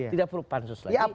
tidak perlu pansus lagi